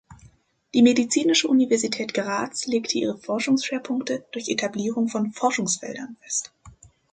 Die Medizinische Universität Graz legte ihre Forschungsschwerpunkte durch Etablierung von "Forschungsfeldern" fest.